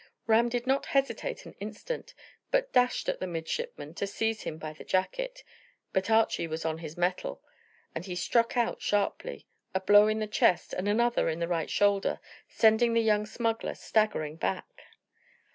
Ram did not hesitate an instant, but dashed at the midshipman to seize him by the jacket, but Archy was on his mettle, and he struck out sharply, a blow in the chest and another in the right shoulder, sending the young smuggler staggering back.